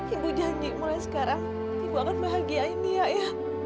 ibu janji mulai sekarang ibu akan bahagiain ya